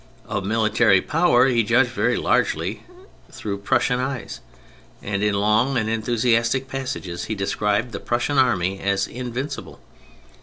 Of military power he judged very largely through Prussian eyes. And in long and enthusiastic passages he described the Prussian army as invincible.